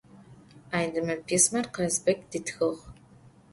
Aydemır pismer Kazbêk ditxığ.